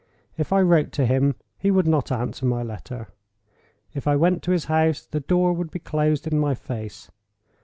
If I wrote to him, he would not answer my letter. If I went to his house, the door would be closed in my face.